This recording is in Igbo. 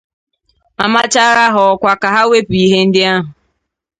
ma machaara ha ọkwa ka ha wepu ihe ndị ahụ.